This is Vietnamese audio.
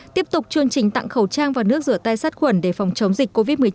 tiếp tục chương trình tặng khẩu trang và nước rửa tay sát khuẩn để phòng chống dịch covid một mươi chín